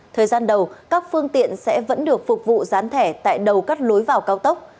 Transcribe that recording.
thời gian đầu các phương tiện sẽ vẫn được phục vụ gián thẻ tại đầu cắt lối vào cao tốc